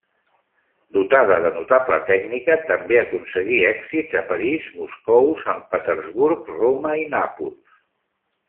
Dotada de notable tècnica, també aconseguí èxits a París, Moscou, sant Petersburg, Roma i Nàpols.